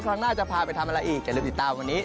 ครั้งหน้าจะพาไปทำอะไรอีกอย่าลืมติดตามวันนี้